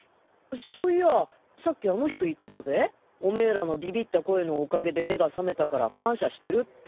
そういやさっきあの人言ってたぜオメーらのビビった声のおかげで目が覚めたから感謝してるって。